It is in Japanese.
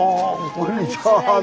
こんにちは。